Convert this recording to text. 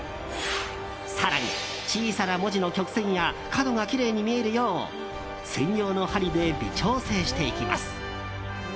更に、小さな文字の曲線や角がきれいに見えるよう専用の針で微調整していきます。